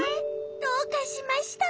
どうかしました？